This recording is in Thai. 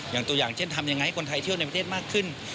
อย่างตัวอย่างเช่นทำยังไงให้คนไทยเที่ยวในประเทศมากขึ้น